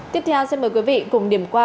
tiếp theo xin mời quý vị cùng điểm qua